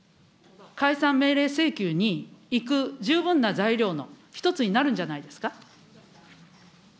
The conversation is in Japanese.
解散命令請求にいく十分な材料の１つになるんじゃないですか。